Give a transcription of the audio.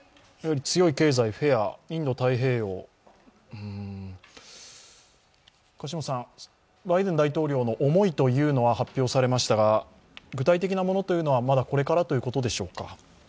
強い経済、フェア、インド太平洋とありますが、バイデン大統領の思いというのは発表されましたが、具体的なものというのはまだこれからということでしょうか。